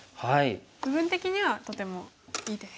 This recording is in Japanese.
部分的にはとてもいい手です。